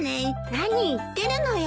何言ってるのよ。